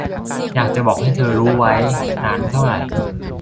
อยากจะบอกให้เธอรู้ไว้ นานเท่าไร